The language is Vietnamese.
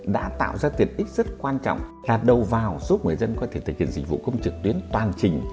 đã tạo ra tiện ích rất quan trọng là đầu vào giúp người dân có thể thực hiện dịch vụ công trực tuyến toàn trình